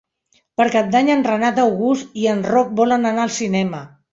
Per Cap d'Any en Renat August i en Roc volen anar al cinema.